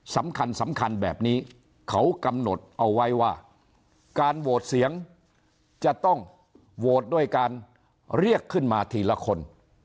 สำคัญสำคัญแบบนี้เขากำหนดเอาไว้ว่าการโหวตเสียงจะต้องโหวตด้วยการเรียกขึ้นมาทีละคน